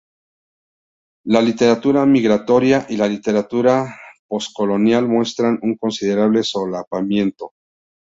La literatura migratoria y la literatura poscolonial muestran un considerable solapamiento.